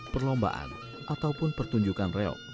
perlombaan ataupun pertunjukan reog